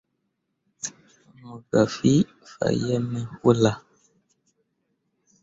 Mo gah fie fakyẽmme wullah.